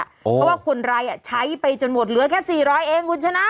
เพราะว่าคนร้ายใช้ไปจนหมดเหลือแค่๔๐๐เองคุณชนะ